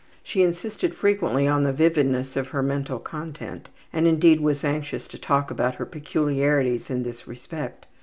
She insisted frequently on the vividness of her mental content, and indeed was anxious to talk about her peculiarities in this respect.